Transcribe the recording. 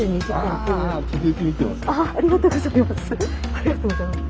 ありがとうございます。